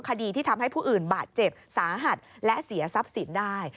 คดีที่ทำให้ผู้อื่นบาดเจ็บสาหัสและเสียทรัพย์สินได้